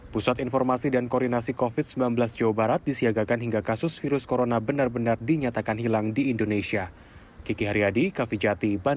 pusat informasi dan koordinasi covid sembilan belas jawa barat disiagakan hingga kasus virus corona benar benar dinyatakan hilang di indonesia